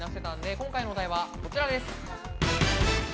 今回のお題はこちらです。